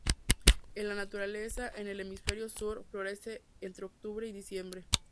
En la naturaleza, en el hemisferio sur, florece entre octubre y diciembre.